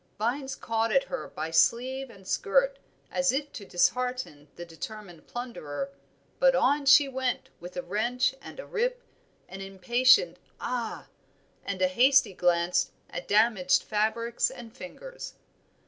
Vines caught at her by sleeve and skirt as if to dishearten the determined plunderer, but on she went with a wrench and a rip, an impatient "Ah!" and a hasty glance at damaged fabrics and fingers.